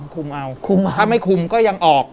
คุ้มเอาถ้าไม่คุ้มก็ยังออก